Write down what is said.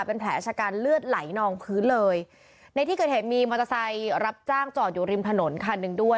เป็นแผลชะกันเลือดไหลนองพื้นเลยในที่เกิดเหตุมีมอเตอร์ไซค์รับจ้างจอดอยู่ริมถนนคันหนึ่งด้วย